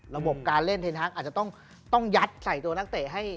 ระบบการเล่นเทนฮักอาจจะต้องยัดใส่ตัวนักเตะให้